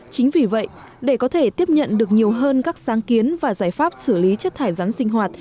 chính vì vậy để có thể tiếp nhận được nhiều hơn các sáng kiến và giải pháp xử lý chất thải rắn sinh hoạt